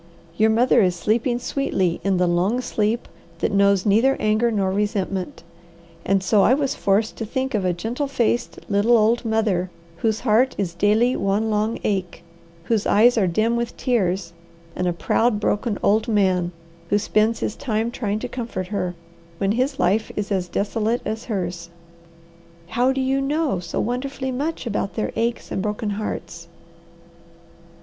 "Your mother is sleeping sweetly in the long sleep that knows neither anger nor resentment; and so I was forced to think of a gentle faced, little old mother whose heart is daily one long ache, whose eyes are dim with tears, and a proud, broken old man who spends his time trying to comfort her, when his life is as desolate as hers." "How do you know so wonderfully much about their aches and broken hearts?"